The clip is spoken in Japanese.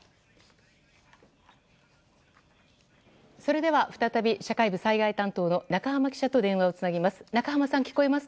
それでは再び社会部災害担当の中濱記者と電話をつなぎます。